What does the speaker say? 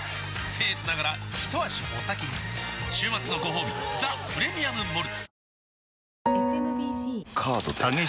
僭越ながら一足お先に週末のごほうび「ザ・プレミアム・モルツ」